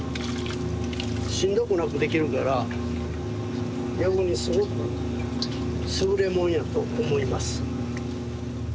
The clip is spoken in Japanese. しんどくなくできるから逆にすごく優れもんやと思います。